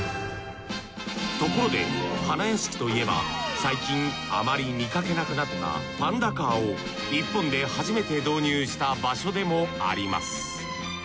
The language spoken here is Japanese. ところで花やしきといえば最近あまり見かけなくなったパンダカーを日本で初めて導入した場所でもあります。